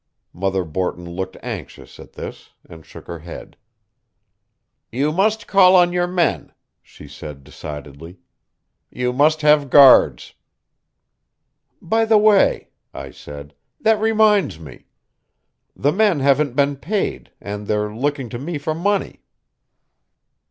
Mother Borton looked anxious at this, and shook her head. "You must call on your men," she said decidedly. "You must have guards." "By the way," I said, "that reminds me. The men haven't been paid, and they're looking to me for money."